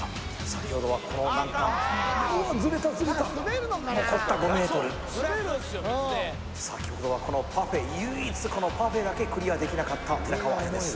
先ほどはこの難関うわっズレたズレた残った５ｍ先ほどはこのパフェ唯一このパフェだけクリアできなかった寺川綾です